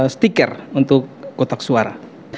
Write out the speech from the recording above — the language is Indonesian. stiker untuk kotak suara